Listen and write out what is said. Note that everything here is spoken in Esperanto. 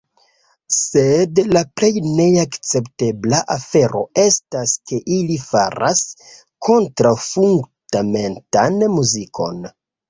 Sed la plej neakceptebla afero estas ke ili faras kontraŭfundamentan muzikon.